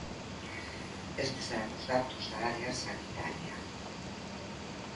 Estes eran os datos da área sanitaria.